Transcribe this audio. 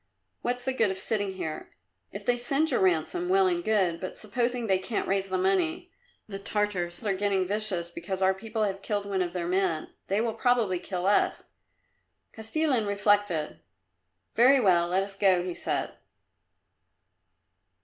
What's the good of sitting here? If they send your ransom, well and good, but supposing they can't raise the money? The Tartars are getting vicious because our people have killed one of their men. They will probably kill us." Kostilin reflected. "Very well; let us go," he said.